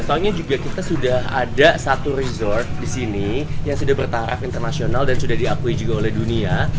soalnya juga kita sudah ada satu resort di sini yang sudah bertaraf internasional dan sudah diakui juga oleh dunia